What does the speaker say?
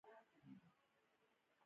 د موټرو ځغلول یا ریسینګ هم مینه وال لري.